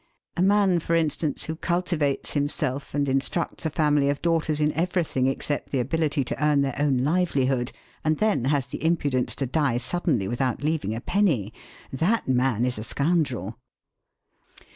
A man, for instance, who cultivates himself and instructs a family of daughters in everything except the ability to earn their own livelihood, and then has the impudence to die suddenly without leaving a penny that man is a scoundrel.